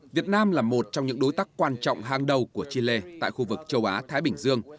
việt nam là một trong những đối tác quan trọng hàng đầu của chile tại khu vực châu á thái bình dương